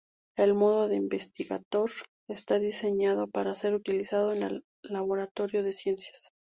El modo Investigator está diseñado para ser utilizado en el laboratorio de ciencias.